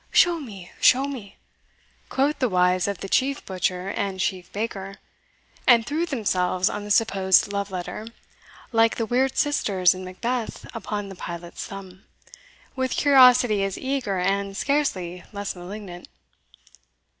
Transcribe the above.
"Show me! show me!" quoth the wives of the chief butcher and chief baker; and threw themselves on the supposed love letter, like the weird sisters in Macbeth upon the pilot's thumb, with curiosity as eager and scarcely less malignant.